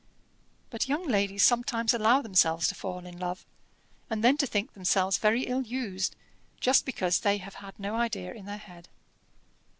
But young ladies sometimes allow themselves to fall in love, and then to think themselves very ill used, just because they have had no idea in their head."